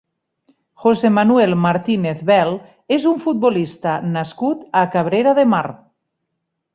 José Manuel Martínez Bel és un futbolista nascut a Cabrera de Mar.